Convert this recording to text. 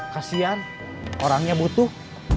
kasian orangnya butuh